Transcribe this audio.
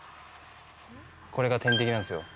これが天敵なんですよ。